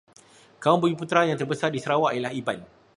Kaum Bumiputera yang terbesar di Sarawak ialah Iban.